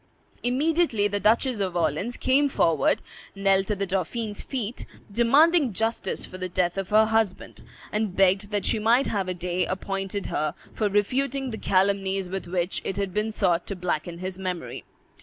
Immediately the Duchess of Orleans came forward, knelt at the dauphin's feet, demanding justice for the death of her husband, and begged that she might have a day appointed her for refuting the calumnies with which it had been sought to blacken his memory.